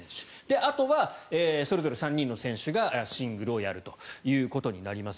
あとはそれぞれ３人の選手がシングルスをやるということになります。